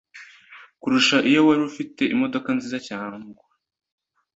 kurusha iyo wari ufite imodoka nziza cyangwa